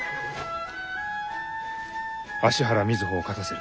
芦原瑞穂を勝たせる。